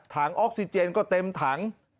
ออกซิเจนก็เต็มถัง